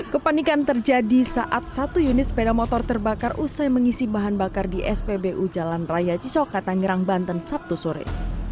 kepanikan terjadi saat satu unit sepeda motor terbakar usai mengisi bahan bakar di spbu jalan raya cisoka tangerang banten sabtu sore